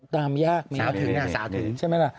ตามยากใช่ไหมล่ะ